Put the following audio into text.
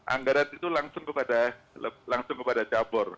anggaran itu langsung kepada cabur